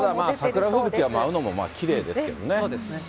桜吹雪が舞うのもきれいですけどね。